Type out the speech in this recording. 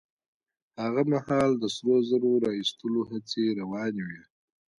هغه مهال د سرو زرو را ايستلو هڅې روانې وې.